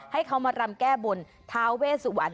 ให้เขามารำแก้บนท้าเวสวรรค